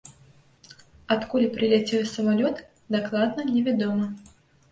Адкуль прыляцеў самалёт, дакладна невядома.